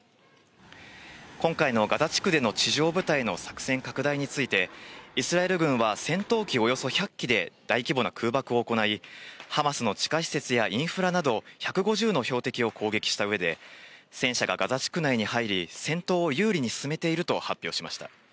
今回のガザ地区での地上部隊の作戦拡大について、イスラエル軍は戦闘機およそ１００機で大規模な空爆を行い、ハマスの地下施設やインフラなど１５０の標的を攻撃したうえで、戦車がガザ地区内に入り、戦闘を有利に進めていると発表しました。